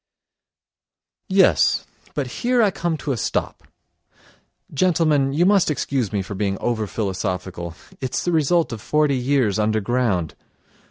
Yes, but here I come to a stop! Gentlemen, you must excuse me for being over philosophical; it's the result of forty years underground!